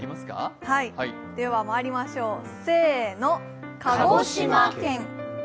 ではまいりましょう、せーの、鹿児島県。